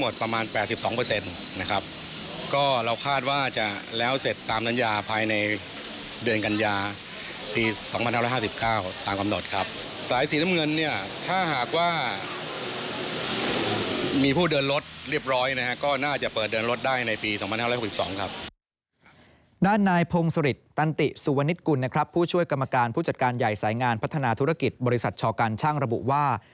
ด้านนายพงศฤษตันติสุวนิตกุลนะครับผู้ช่วยกรรมการผู้จัดการใหญ่สายงานพัฒนาธุรกิจบริษัทชอกันช่างระบุว่า